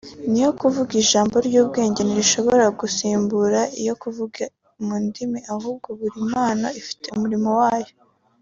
n’ iyo kuvuga ijambo ry’ubwenge ntishobora gusimbura iyo kuvuga mu ndimi ahubwo buri mpano ifite umurimo wayo